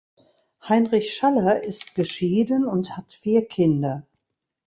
Heinrich Schaller ist geschieden und hat vier Kinder.